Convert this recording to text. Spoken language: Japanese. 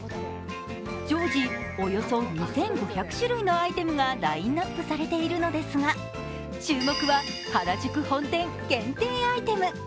常時およそ２５００種類のアイテムがラインナップされているのですが注目は原宿本店限定アイテム。